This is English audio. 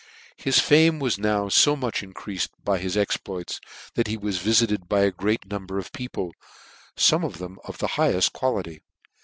4 His fame was now fo much increafed by his exploits that he was vifited by great numbers of people, and fome of them of the highefl. quality.